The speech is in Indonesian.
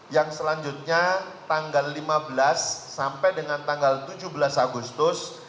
yang selanjutnya tanggal lima belas sampai dengan tanggal tujuh belas agustus